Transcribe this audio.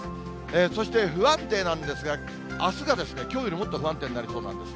そして不安定なんですが、あすがきょうよりもっと不安定になりそうなんです。